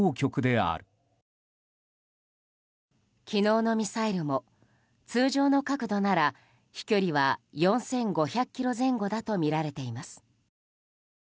昨日のミサイルも通常の角度なら飛距離は４５００ｋｍ前後だとみられています。